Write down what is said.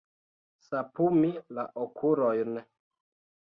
Sapumi la okulojn.